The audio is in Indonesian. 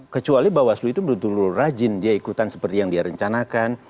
kecuali bawaslu itu betul betul rajin dia ikutan seperti yang dia rencanakan